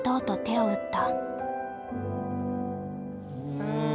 うん。